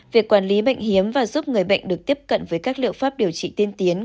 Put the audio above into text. việc quản lý bệnh hiếm và giúp người bệnh được tiếp cận với các liệu pháp điều trị tiên tiến